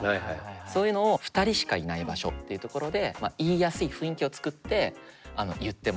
そういうのを２人しかいない場所っていう所で言いやすい雰囲気を作って言ってもらう。